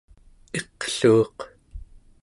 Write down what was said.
iqluuq